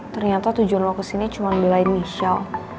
ternyata tujuan lo kesini cuma nilai misal